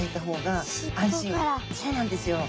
そうなんですよ。